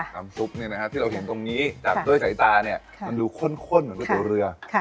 ซุปที่เราเห็นตรงนี้จากด้วยสายตามันดูข้นเหมือนก๋วยเตี๋ยวเรือ